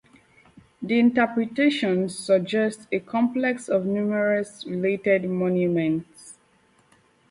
The interpretation suggests a complex of numerous related monuments.